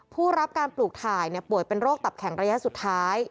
ผู้รับการปลูกถ่ายป่วยเป็นโรคตับแข็งระยะสุดท้าย